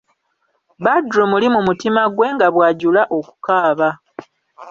Badru muli mu mutima gwe nga bw'ajula okukaaba.